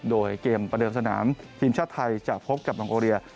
โดยเกมประเดิมสนามทีมชาติไทยจะพบกับน้องโอเรีย